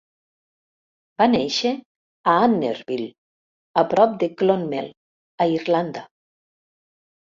Va néixer a Annerville, a prop de Clonmel, a Irlanda.